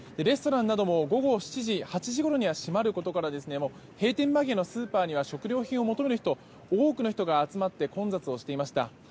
レストランなども午後７時、８時ごろには閉まることから閉店間際のスーパーには食料品を求める人多くの人が集まって混雑をしていました。